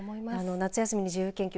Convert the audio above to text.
夏休みの自由研究